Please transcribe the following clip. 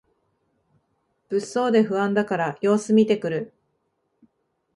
物騒で不安だから様子みてくる